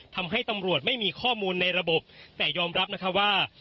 ทำให้ตำรวจไม่มีข้อมูลในระบบแต่ยอมรับนะคะว่า